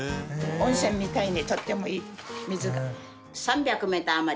温泉みたいにとってもいい水が。